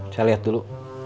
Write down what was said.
saya lihat dulu